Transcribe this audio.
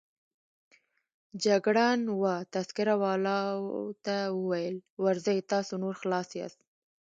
جګړن وه تذکره والاو ته وویل: ورځئ، تاسو نور خلاص یاست.